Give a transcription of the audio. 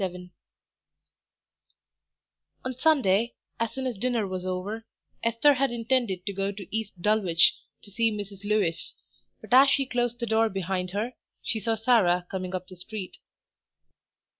XXXVII On Sunday, as soon as dinner was over, Esther had intended to go to East Dulwich to see Mrs. Lewis. But as she closed the door behind her, she saw Sarah coming up the street.